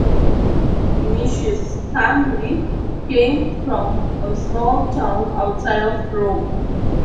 Vinicius' family came from a small town outside of Rome.